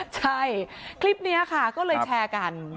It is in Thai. ใช่คลิปนี้ค่ะก็เลยแชร์กัน